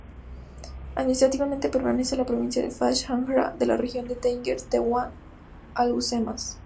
Administrativamente pertenece a la provincia de Fahs-Anjra de la región de Tánger-Tetuán-Alhucemas.